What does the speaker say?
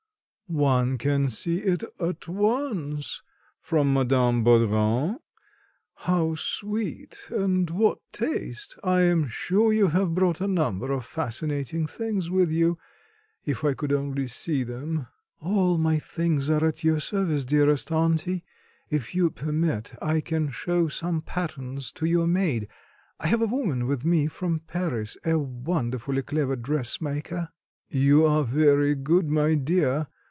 "One can see it at once. From Madame Baudran? How sweet, and what taste! I am sure you have brought a number of fascinating things with you. If I could only see them." "All my things are at your service, dearest auntie. If you permit, I can show some patterns to your maid. I have a woman with me from Paris a wonderfully clever dressmaker." "You are very good, my dear.